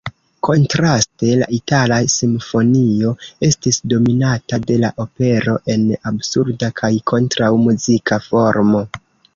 Kontraste, la itala simfonio estis dominata de la opero en "absurda kaj kontraŭ-muzika formo".